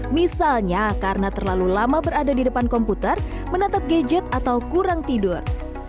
misalnya karena terlalu lama berada di depan komputer menatap gadget atau kurang tidur